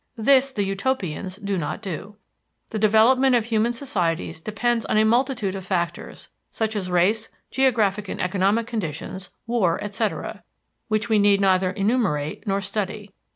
This the Utopians do not do. The development of human societies depends on a multitude of factors, such as race, geographic and economic conditions, war, etc., which we need neither enumerate nor study.